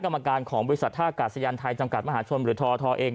กรรมการของบริษัทท่ากาศยานไทยจำกัดมหาชนหรือททเอง